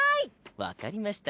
わかりました。